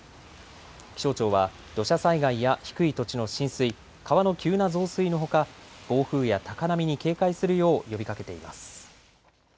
気象庁は土砂災害や低い土地の浸水、川の急な増水のほか暴風や高波に警戒するよう呼びかけています。